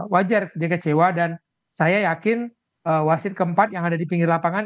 wajar dia kecewa dan saya yakin wasit keempat yang ada di pinggir lapangan